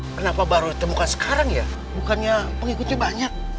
kenapa baru ditemukan sekarang ya bukannya pengikutnya banyak